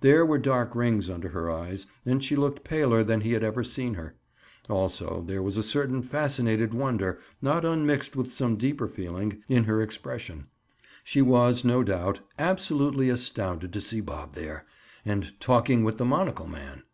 There were dark rings under her eyes and she looked paler than he had ever seen her. Also, there was a certain fascinated wonder, not unmixed with some deeper feeling, in her expression. She was, no doubt, absolutely astounded to see Bob there, and talking with the monocle man.